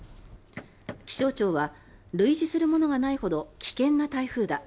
気象庁は類似するものがないほど危険な台風だ